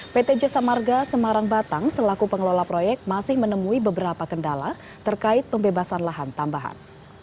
pt jasa marga semarang batang selaku pengelola proyek masih menemui beberapa kendala terkait pembebasan lahan tambahan